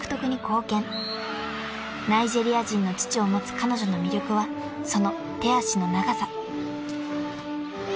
［ナイジェリア人の父を持つ彼女の魅力はその手足の長さ］